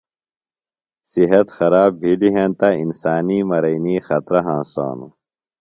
صحت خراب بھلِیۡ ہینتہ انسانی مرینیۡ خطرہ ہنسانوۡ۔